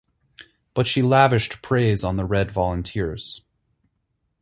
But she lavished praise on the Red Volunteers.